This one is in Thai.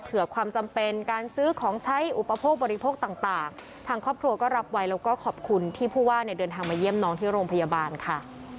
ความจำเป็นการซื้อของใช้อุปโภคบริโภคต่างทางครอบครัวก็รับไว้แล้วก็ขอบคุณที่ผู้ว่าเนี่ยเดินทางมาเยี่ยมน้องที่โรงพยาบาลค่ะ